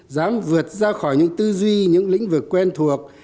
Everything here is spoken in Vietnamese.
dám vượt ra khỏi những tư duy những lĩnh vực quen thuộc